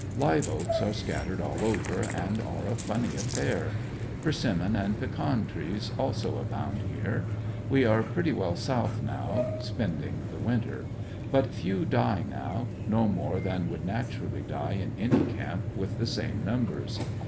Live oaks are scattered all over, and are a funny affair. Persim mon and pecan trees also abound here We are pretty well south now, spending the wmter. But few die now; no more than would naturally die in any camp with the same numbers.